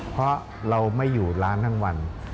เพราะเราไม่อยู่ร้านทั้งวัน